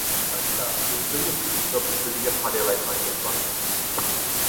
ھەتتا ئۆزىدىنمۇ چىقىپ تۇرۇپ ئۆزىگە قارىيالايدىغان كۆز بار.